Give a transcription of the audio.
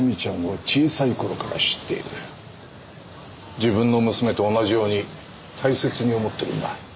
自分の娘と同じように大切に思ってるんだ。